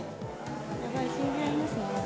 やばい、死んじゃいますね。